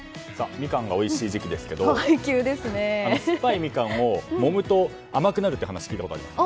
ミカンがおいしい時期ですけど酸っぱいミカンをもむと甘くなるって話あります。